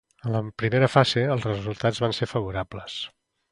En la primera fase, els resultats van ser favorables.